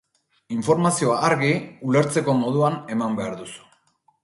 Informazioa argi, ulertzeko moduan, eman behar duzu.